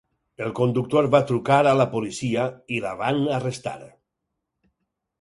El conductor va trucar a la policia i la van arrestar.